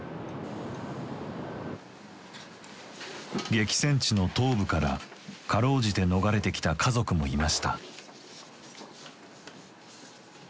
激戦地の東部からかろうじて逃れてきた家族もいました。